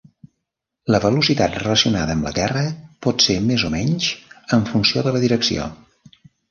La velocitat relacionada amb la terra pot ser més o menys, en funció de la direcció.